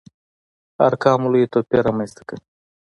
ارقامو لوی توپير رامنځته کوي.